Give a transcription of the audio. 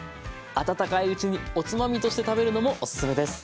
温かいうちにおつまみとして食べるのもお勧めです。